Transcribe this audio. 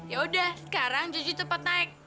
yaudah sekarang jojo tepat naik